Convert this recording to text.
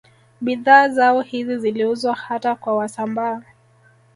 Bidhaa zao hizi ziliuzwa hata kwa Wasambaa